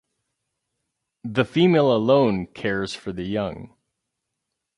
The female alone cares for the young.